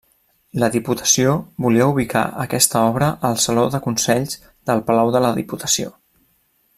La Diputació volia ubicar aquesta obra al Saló de Consells del Palau de la Diputació.